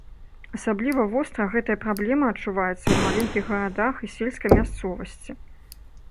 Асабліва востра гэтая праблема адчуваецца ў маленькіх гарадах і сельскай мясцовасці.